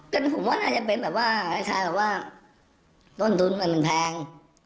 ก็ผมว่าน่าจะเป็นแบบว่าคล้ายแบบว่าต้นทุนมันแพง